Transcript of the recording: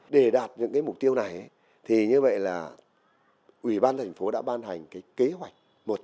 để đạt những mục tiêu này thì như vậy là ủy ban thành phố đã ban hành kế hoạch một trăm tám mươi tám